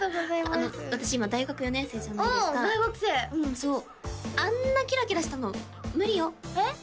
ああ大学生うんそうあんなキラキラしたの無理よえっ？